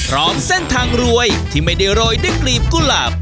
พร้อมเส้นทางรวยที่ไม่ได้โรยด้วยกลีบกุหลาบ